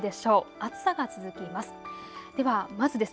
暑さが続きます。